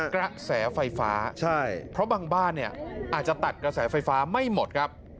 กระแสไฟฟ้าใช่เพราะบางบ้านเนี่ยอาจจะตัดกระแสไฟฟ้าไม่หมดครับ